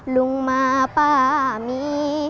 ลุงมาป้ามี